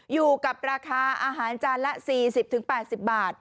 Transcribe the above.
อยู่กับราคาอาหารจานละ๔๐๘๐บาท